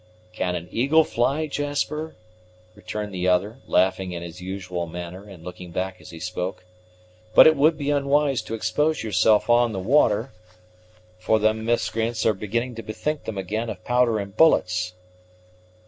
"Can an eagle fly, Jasper?" returned the other, laughing in his usual manner, and looking back as he spoke. "But it would be unwise to expose yourself on the water; for them miscreants are beginning to bethink them again of powder and bullets."